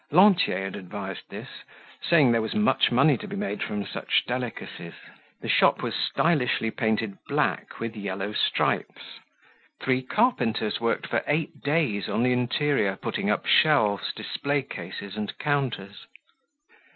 Lantier had advised this, saying there was much money to be made from such delicacies. The shop was stylishly painted black with yellow stripes. Three carpenters worked for eight days on the interior, putting up shelves, display cases and counters.